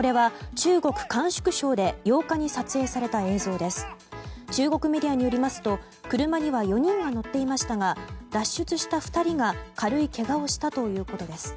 中国メディアによりますと車には４人が乗っていましたが脱出した２人が軽いけがをしたということです。